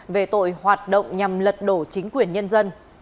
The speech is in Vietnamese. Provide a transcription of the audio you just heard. về tội hoạt động nhằm lật đổ chính quyền nhân dân